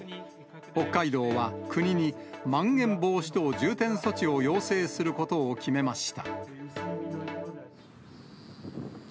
北海道は国に、まん延防止等重点措置を要請することを決めました。